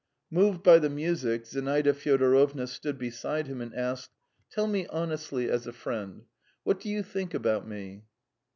Moved by the music, Zinaida Fyodorovna stood beside him and asked: "Tell me honestly, as a friend, what do you think about me?"